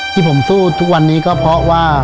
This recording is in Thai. ที่ผมสู้ทุกวันนี้ก็เพราะว่า